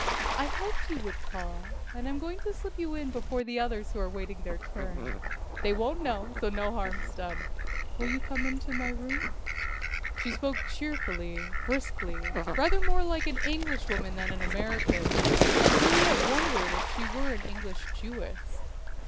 "I hoped you would call, and I'm going to slip you in before the others who are waiting their turn. They won't know, so no harm's done! Will you come into my room?" She spoke cheerfully, briskly, rather more like an Englishwoman than an American, and Juliet wondered if she were an English Jewess.